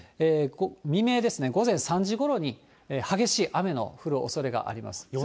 未明ですね、午前３時ごろに激しい雨の降るおそれがあります。